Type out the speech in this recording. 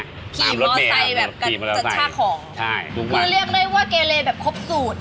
ขี่มอเตอร์ไซค์แบบการจัดช่าของคือเรียกได้ว่าเกรเลแบบครบสูตร